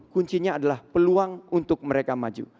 kuncinya adalah peluang untuk mereka maju